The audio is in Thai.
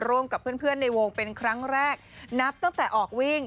ร่วมกับเพื่อนในวงเป็นครั้งแรกนับตั้งแต่ออกวิ่ง